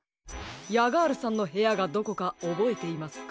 ヤガールさんのへやがどこかおぼえていますか？